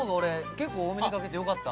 結構多めにかけてよかった。